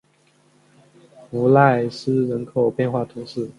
弗赖斯人口变化图示